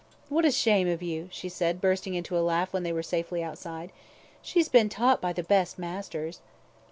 "What a shame of you," she said, bursting into a laugh when they were safely outside; "she's been taught by the best masters."